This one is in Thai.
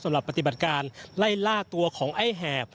สำหรับปฏิบัติการไล่ล่าตัวของไอ้แหบ